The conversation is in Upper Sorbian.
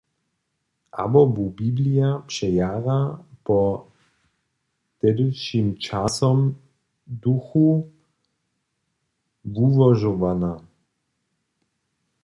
Abo bu biblija přejara po tehdyšim časowym duchu wułožowana?